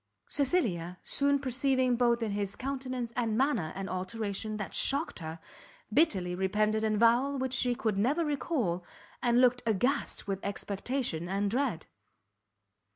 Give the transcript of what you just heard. Cecilia, soon perceiving both in his countenance and manner an alteration that shocked her, bitterly repented an avowal she could never recall, and looked aghast with expectation and dread.